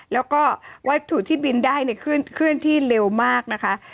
แล้วก็วัตถุที่บินได้เคลื่อนที่เร็วมากนะคะ